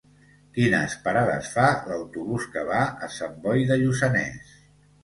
Quines parades fa l'autobús que va a Sant Boi de Lluçanès?